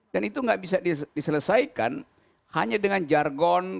dan itu enggak bisa diselesaikan hanya dengan jargon